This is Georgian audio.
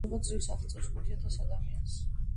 მისი მოსახლეობა ძლივს აღწევს ხუთი ათას ადამიანს.